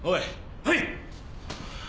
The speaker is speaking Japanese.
はい！